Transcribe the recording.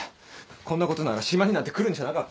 こんなことなら島になんて来るんじゃなかった。